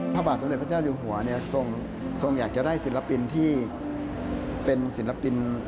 พระบาทสมเด็จพระเจ้าอยู่หัวเนี่ยทรงอยากจะได้ศิลปินที่เป็นศิลปิน